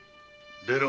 出ろ。